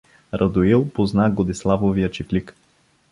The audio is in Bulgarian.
Радоил позна Годеславовия чифлик.